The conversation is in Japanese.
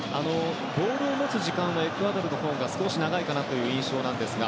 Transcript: ボールを持つ時間はエクアドルのほうが少し長いかなという印象ですが。